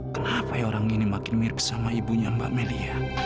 kenapa ya orang ini makin mirip sama ibunya mbak melia